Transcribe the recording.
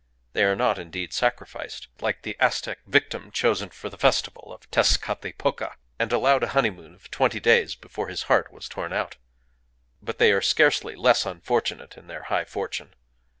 They are not, indeed, sacrificed,—like the Aztec victim chosen for the festival of Tezcatlipoca, and allowed a honeymoon of twenty days before his heart was torn out. But they are scarcely less unfortunate in their high fortune.